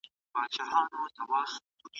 چيري د یوه ښه ژوند لپاره ډېر زیار ته اړتیا ده؟